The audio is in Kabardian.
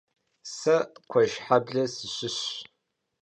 Se Kueşşheble sışışş.